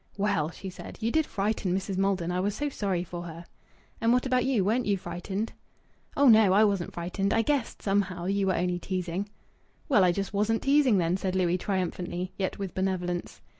"Well," she said, "you did frighten Mrs. Maldon. I was so sorry for her." "And what about you? Weren't you frightened?" "Oh no! I wasn't frightened. I guessed, somehow, you were only teasing." "Well, I just wasn't teasing, then!" said Louis, triumphantly yet with benevolence.